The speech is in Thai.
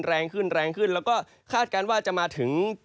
แล้วก็คาดการณ์ว่าจะมาถึง